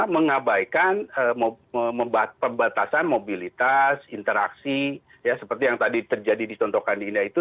mengabaikan perbatasan mobilitas interaksi seperti yang tadi terjadi di tontokan di india itu